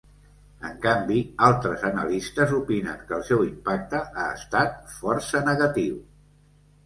En canvi, altres analistes opinen que el seu impacte ha estat força negatiu.